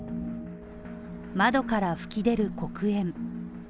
窓から噴き出る黒煙。